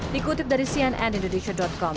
dikutip dari seorang pemerintah